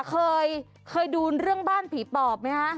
เคยดูเรื่องบ้านผีปอบไหมคะ